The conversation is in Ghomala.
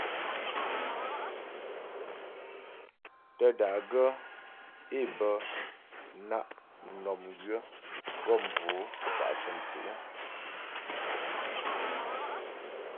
Tə́ da'gaə́ é bə na' mnɔm gwyə̌ gɔ mvo'o kwa' cə̀mwtsǔ'.